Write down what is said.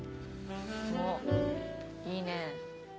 いいねぇ。